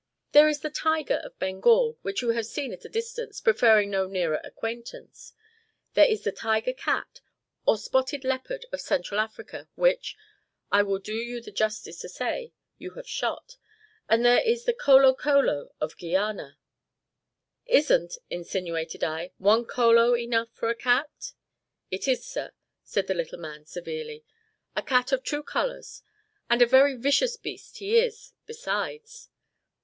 "There is the tiger of Bengal, which you have seen at a distance preferring no nearer acquaintance. There is the tiger cat, or spotted leopard of Central Africa, which I will do you the justice to say you have shot; and there is the kolo kolo of Guiana " "Isn't," insinuated I, "one kolo enough for a cat?" "It is, sir," said the little man severely; "a cat of two colours, and a very vicious beast he is besides.